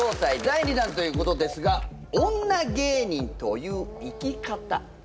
第２弾ということですが女芸人という生き方。